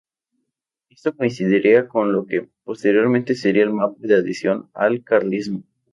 Esto coincidiría con lo que, posteriormente, sería el mapa de adhesión al carlismo.